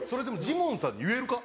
ジモンさんに言えるか？